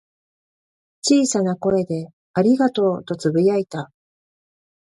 小さな声で「ありがとう」とつぶやいた。